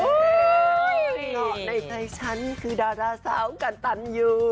โอ๊ยนอกในใจฉันคือดาวสาวกันตันอยู่